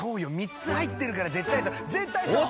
３つ入ってるから絶対絶対そう！